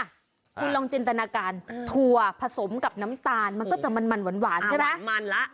คุณลองจินตนาการถั่วผสมกับน้ำตาลมันก็จะมันหวานใช่ไหมมันละ